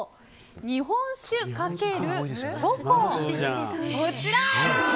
日本酒×チョコ、こちら。